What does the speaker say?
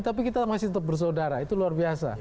tapi kita masih tetap bersaudara itu luar biasa